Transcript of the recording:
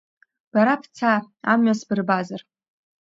Бара бца, амҩа сбырбазар!